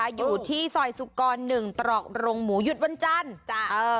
โทรสั่งกูช่ายในที่นะครับอยู่ที่ซอยสุกวัน๑ตรอกรงหมูหยุดวันจันทร์